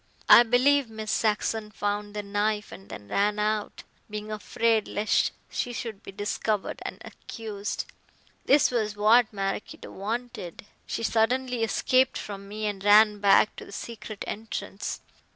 I believe Miss Saxon found the knife and then ran out, being afraid lest she should be discovered and accused. This was what Maraquito wanted. She suddenly escaped from me and ran back to the secret entrance.